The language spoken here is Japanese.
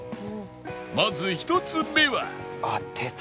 まず１つ目は